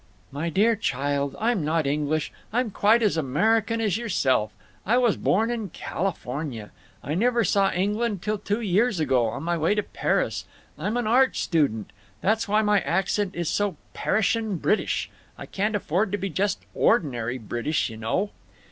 "My dear child, I'm not English! I'm quite as American as yourself. I was born in California. I never saw England till two years ago, on my way to Paris. I'm an art student…. That's why my accent is so perishin' English—I can't afford to be just ordinary British, y' know."